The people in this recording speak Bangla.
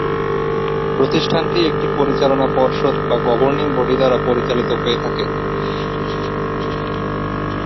প্রতিষ্ঠানটি একটি পরিচালনা পর্ষদ বা গভর্নিং বডি দ্বারা পরিচালিত হয়ে থাকে।